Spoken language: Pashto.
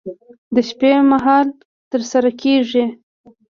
د شپې مهال ترسره کېږي.